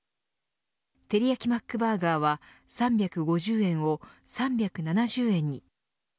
てりやきマックバーガーは３５０円を３７０円に。